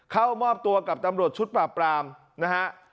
เข้ามอบตัวกับตำรวจชุดปราบปรามนะฮะ